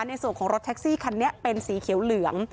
ในส่วนของรถแท็กซี่คันนี้เป็นสีเขียวเหลือง